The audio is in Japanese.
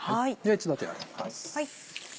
一度手を洗います。